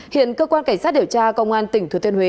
hiện cơ quan cảnh sát điều tra công an tỉnh thừa thiên huế